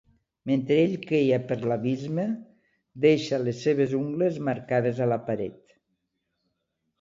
Mentre ell queia per l'abisme, deixa les seves ungles marcades a la paret.